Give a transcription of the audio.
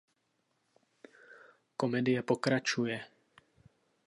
Komedie pokračuje.